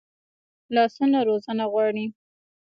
لاسونه روزنه غواړي